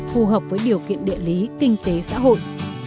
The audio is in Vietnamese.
phù hợp với điều kiện địa lý kinh tế xã hội